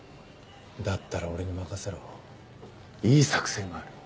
だったら俺に任せろいい作戦がある。